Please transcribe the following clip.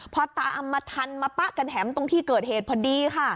พอตามมาทันมาปะกันแถมตรงที่เกิดเหตุพอดีค่ะ